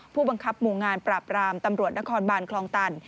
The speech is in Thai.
ผู้บังคับหมู่งานปราบรามตำรวจนครบานคลองตัน